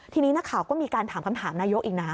ทีนี้นักข่าวก็มีการถามคำถามนายกอีกนะ